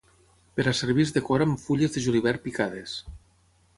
Per a servir es decora amb fulles de julivert picades.